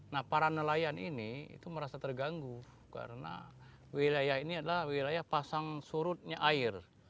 nah para nelayan ini itu merasa terganggu karena wilayah ini adalah wilayah pasang surutnya air